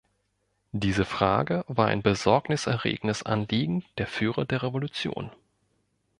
Diese Frage war ein besorgniserregendes Anliegen der Führer der Revolution.